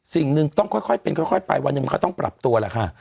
สิ่งหนึ่งต้องค่อยค่อยเป็นค่อยค่อยไปวันหนึ่งเขาต้องปรับตัวแหละค่ะ